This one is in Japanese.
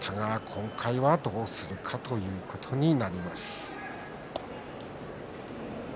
今回はどうするかということになります。